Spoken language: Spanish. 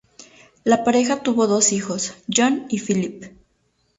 La pareja tuvo dos hijos, John y Phillip.